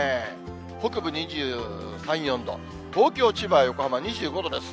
北部２３、４度、東京、千葉、横浜は２５度です。